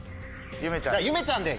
ゆめちゃんで。